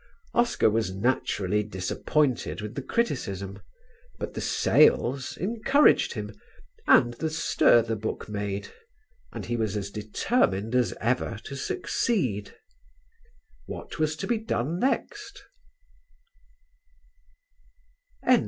Oscar was naturally disappointed with the criticism, but the sales encouraged him and the stir the book made and he was as determined as ever to succeed. What was to be done next?